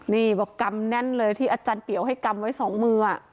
นี่บอกกำแน่นเลยที่อาจารย์เปียวให้กำไว้สองมือ